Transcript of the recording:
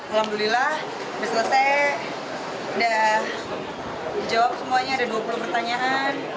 alhamdulillah besok saya sudah jawab semuanya ada dua puluh pertanyaan